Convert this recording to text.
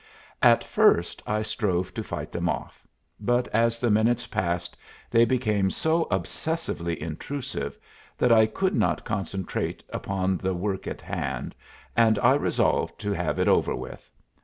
At first I strove to fight them off, but as the minutes passed they became so obsessively intrusive that I could not concentrate upon the work in hand, and I resolved to have it over with.